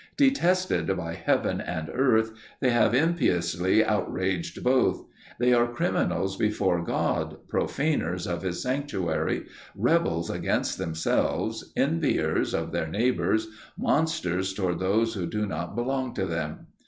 Detested by heaven and earth, they have impiously outraged both. They are criminals before God, profaners of his sanctuary, rebels against themselves, enviers of their neighbours, monsters towards those who do not belong to them.